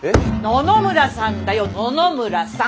野々村さんだよ野々村さん！